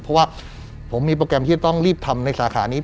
เพราะว่าผมมีโปรแกรมที่จะต้องรีบทำในสาขานี้